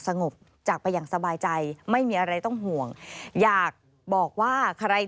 งบจากไปอย่างสบายใจไม่มีอะไรต้องห่วงอยากบอกว่าใคร